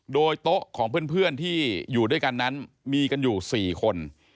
โดยโต๊ะของเพื่อนที่อยู่ด้วยกันนั้นมีกันอยู่๔คน